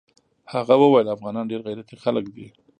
هغه ويل افغانان ډېر غيرتي خلق دي.